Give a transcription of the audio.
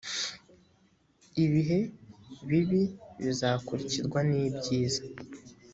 ibihe bibi bizakurikirwa n ibyiza